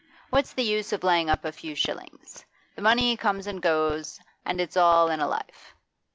What's the use of laying up a few shillings? The money comes and goes, and it's all in a life."